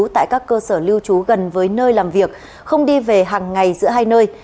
tại các cơ sở lưu trú gần với nơi làm việc không đi về hàng ngày giữa hai nơi